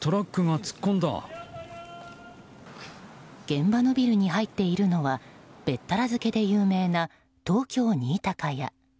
現場のビルに入っているのはべったら漬けで有名な東京にいたか屋。